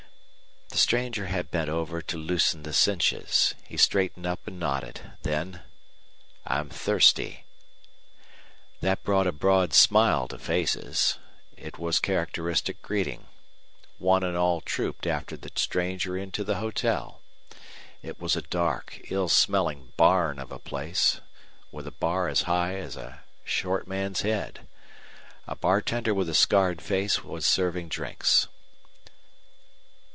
The stranger had bent over to loosen the cinches; he straightened up and nodded. Then: "I'm thirsty!" That brought a broad smile to faces. It was characteristic greeting. One and all trooped after the stranger into the hotel. It was a dark, ill smelling barn of a place, with a bar as high as a short man's head. A bartender with a scarred face was serving drinks.